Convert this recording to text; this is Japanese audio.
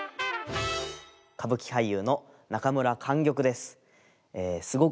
歌舞伎俳優の中村莟玉です。